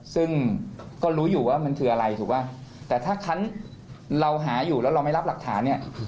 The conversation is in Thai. ซึ่งก็รู้อยู่ว่ามันคืออะไรถูกป่ะแต่ถ้าคันเราหาอยู่แล้วเราไม่รับหลักฐานเนี่ย